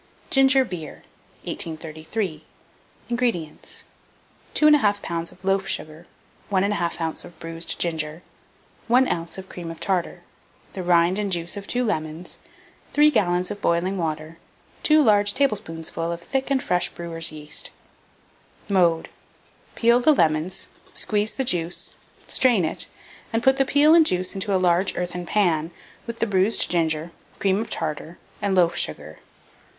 GINGER BEER. 1833. INGREDIENTS. 2 1/2 lbs. of loaf sugar, 1 1/2 oz. of bruised ginger, 1 oz. of cream of tartar, the rind and juice of 2 lemons, 3 gallons of boiling water, 2 large tablespoonfuls of thick and fresh brewer's yeast. Mode. Peel the lemons, squeeze the juice, strain it, and put the peel and juice into a large earthen pan, with the bruised ginger, cream of tartar, and loaf sugar.